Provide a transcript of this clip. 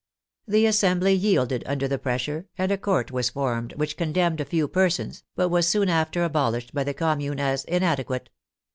The Assembly yielded under the pressure, and a Court was formed which condemned a few persons, but was soon after abolished by the Commune as inadequate.